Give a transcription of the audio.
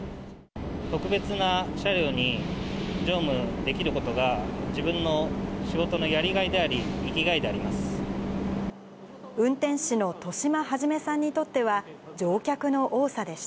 特別な車両に乗務できることが、自分の仕事のやりがいであり、生きがいであります。